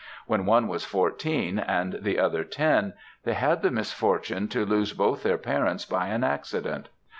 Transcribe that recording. When one was fourteen and the other ten, they had the misfortune to lose both their parents by an accident.